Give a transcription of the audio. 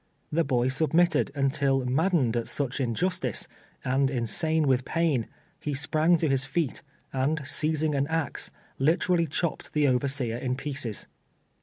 The boy submitted until maddened at such injustice, and insane with pain, he sprang to his feet, and seizing an axe, liter ally chopped the overseer in pieces.